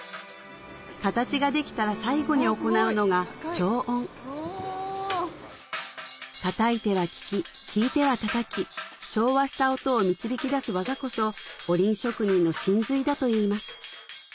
形ができたら最後に行うのが調音たたいては聞き聞いてはたたき調和した音を導き出す技こそおりん職人の神髄だといいます